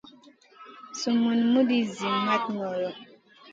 Sumun muɗi ci mat ŋolo.